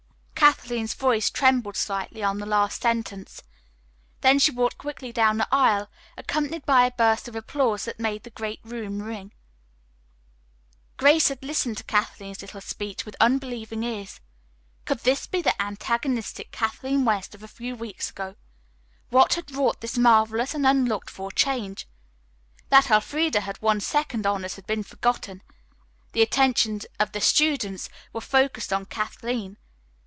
Kathleen's voice trembled slightly on the last sentence. Then she walked quickly down the aisle, accompanied by a burst of applause that made the great room ring. Grace had listened to Kathleen's little speech with unbelieving ears. Could this be the antagonistic Kathleen West of a few weeks ago? What had wrought this marvelous and unlooked for change? That Elfreda had won second honors had been forgotten. The attention of the students were focused on Kathleen.